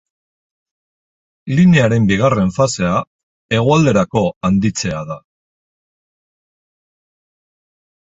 Linearen bigarren fasea, hegoalderako handitzea da.